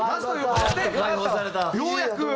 ようやく。